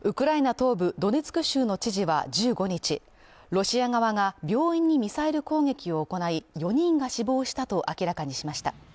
東部ドネツク州の知事は１５日、ロシア側が病院にミサイル攻撃を行い、４人が死亡したと明らかにしました。